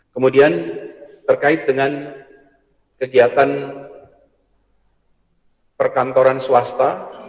kemudian terkait dengan kegiatan perkantoran swasta